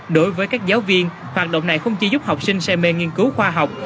đối với các giáo viên hoạt động này không chỉ giúp học sinh say mê nghiên cứu khoa học